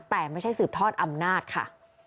แต่ไม่ใช่สืบทอดอำนาจค่ะ